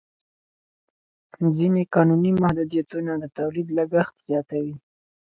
ځینې قانوني محدودیتونه د تولید لګښت زیاتوي.